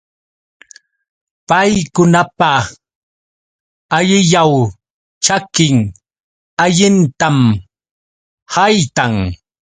Paykunapa allilaw ćhakin allintam haytan.